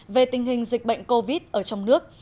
về tình hình dịch bệnh covid ở trong nước